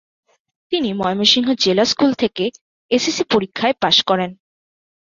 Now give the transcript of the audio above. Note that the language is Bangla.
তিনি ময়মনসিংহ জিলা স্কুল থেকে এস এস সি পরীক্ষাইয় পাস করেন।